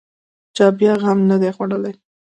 چا بیا غم نه دی خوړلی.